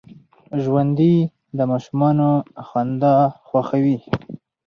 ژوندي د ماشومانو خندا خوښوي